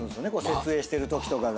設営してるときとかが。